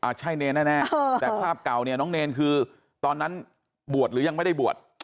ใช่เนรแน่แต่ภาพเก่าเนี่ยน้องเนรคือตอนนั้นบวชหรือยังไม่ได้บวช